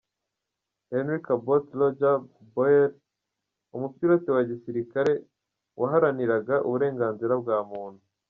Henry Cabot Lodge Bohler, Umupilote wa gisirikare waharaniraga uburenganzira bwa muntu.